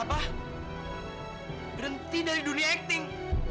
berhenti dari dunia akting